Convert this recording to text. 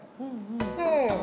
そう。